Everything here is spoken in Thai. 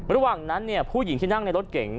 ระหว่างนั้นผู้หญิงที่นั่งในรถเก๋ง